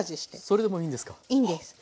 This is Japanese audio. それでもいいんですか？